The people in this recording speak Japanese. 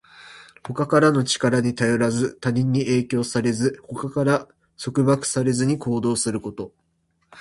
他からの力に頼らず、他人に影響されず、他から束縛されずに行動すること。